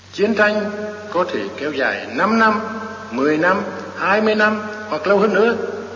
chiến tranh có thể kéo dài năm năm một mươi năm hai mươi năm hoặc lâu hơn nữa